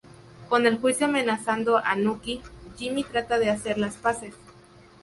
Con el juicio amenazando a Nucky, Jimmy trata de hacer las paces.